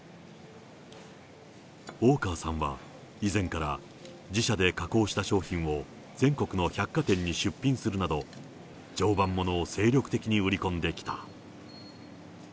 大川さんは以前から自社で加工した商品を、全国の百貨店に出品するなど、常磐ものを精力的に売り込んできた。